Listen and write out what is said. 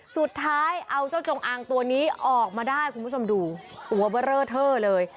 สุดท้ายเอาเจ้าจงอางตัวนี้ออกมาได้คุณผู้ชมดูตัวเบอร์เลอร์เทอร์เลย